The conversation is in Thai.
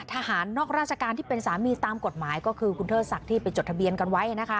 ทหารนอกราชการที่เป็นสามีตามกฎหมายก็คือคุณเทิดศักดิ์ที่ไปจดทะเบียนกันไว้